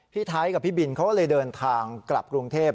ไทยกับพี่บินเขาก็เลยเดินทางกลับกรุงเทพ